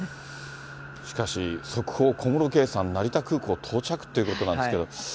しかし、速報、小室圭さん、成田空港到着っていうことなんですけども。